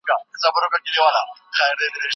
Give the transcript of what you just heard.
ملي جرګې میرویس خان د خپل پاچا په توګه وټاکه.